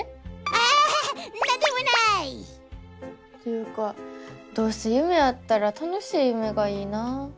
ああなんでもない！っていうかどうせゆめやったら楽しいゆめがいいな。